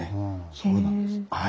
そうなんです。